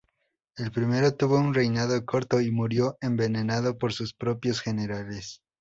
El primero tuvo un reinado corto y murió envenenado por sus propios generales.